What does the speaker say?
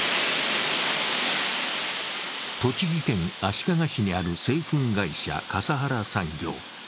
栃木県足利市にある製粉会社・笠原産業。